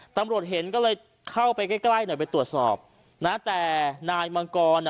ตำรวจเห็นก็เลยเข้าไปใกล้ใกล้หน่อยไปตรวจสอบนะแต่นายมังกรอ่ะ